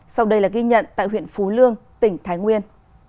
sau đây là ghi nhận tại huyện phú lương tỉnh thái nguyên